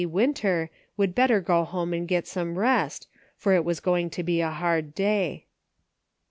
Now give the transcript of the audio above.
Winter, would better go home and get some rest, for it was going to be a hard day.